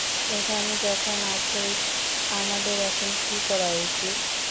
এখানে যখন আছোই, আমাদের এখন কী করা উচিৎ?